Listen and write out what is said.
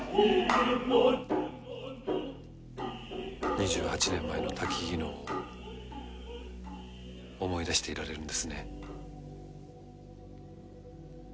２８年前の薪能を思い出していられるんですね。